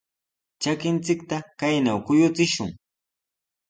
Trakinchikta kaynaw kuyuchishun.